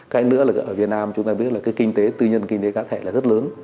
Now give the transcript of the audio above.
cái nữa là ở việt nam chúng ta biết là cái kinh tế tư nhân kinh tế cá thể là rất lớn